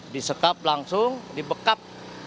disekap langsung dibekap